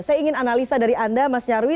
saya ingin analisa dari anda mas nyarwi